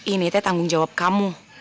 ini teh tanggung jawab kamu